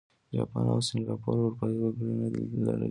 جاپان او سینګاپور اروپايي وګړي نه دي لرلي.